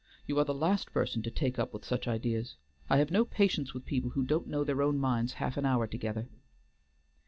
You are the last person to take up with such ideas. I have no patience with people who don't know their own minds half an hour together."